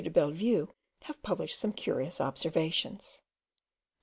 de Bellevue, have published some curious observations.